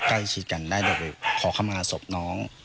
ได้ใกล้ชีดกันได้ได้ขอเข้ามาศพน้อง